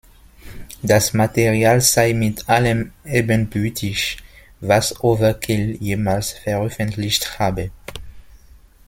Das Material sei mit allem ebenbürtig, was Overkill jemals veröffentlicht habe.